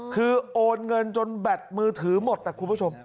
คือโอนเงินจนแบตมือถือหมดแต่คุณผู้ชม